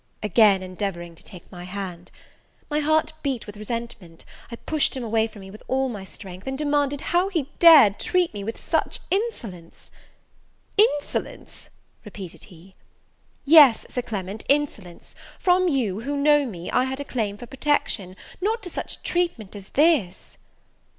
again endeavouring to take my hand. My heart beat with resentment; I pushed him away from me with all my strength, and demanded how he dared treat me with such insolence? "Insolence!" repeated he. "Yes, Sir Clement, insolence; from you, who know me, I had a claim for protection, not to such treatment as this."